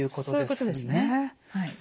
そういうことですね。